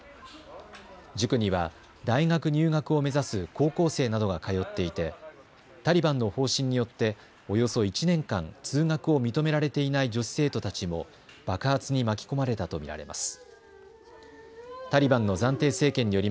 塾には大学入学を目指す高校生などが通っていてタリバンの方針によっておよそ１年間、通学を認められていない女子生徒たちも爆発に巻き込まれたと見られます。